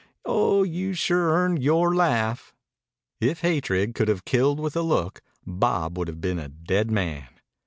Oh, you've sure earned yore laugh." If hatred could have killed with a look Bob would have been a dead man.